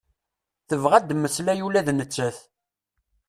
Tebɣa ad mmeslay ula d nettat.